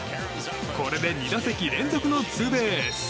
これで２打席連続のツーベース。